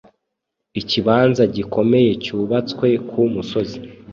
Ikibanza gikomeyecyubatswe ku musozi